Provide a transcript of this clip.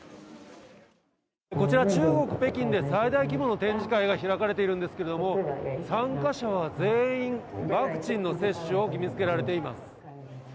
こちら、中国・北京で最大規模の展示会が開かれているんですけれども、参加者は全員ワクチンの接種を義務づけられています。